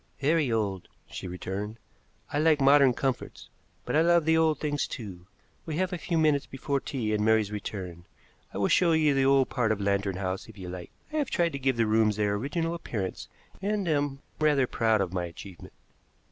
"Very old," she returned. "I like modern comforts, but I love the old things too. We have a few minutes before tea and Mary's return. I will show you the old part of Lantern House, if you like. I have tried to give the rooms their original appearance, and am rather proud of my achievement."